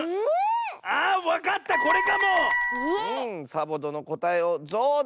サボどのこたえをぞうど！